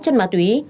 chất ma túy